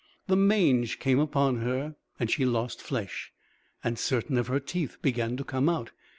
The mange came upon her, and she lost flesh, and certain of her teeth began to come out.